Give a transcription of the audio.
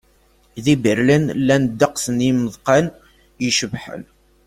Di Berlin, llan ddeqs n yimeḍqan icebḥen.